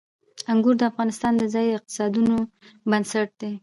انګور د افغانستان د ځایي اقتصادونو بنسټ دی.